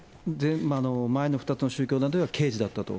前の２つの宗教団体は刑事だったと、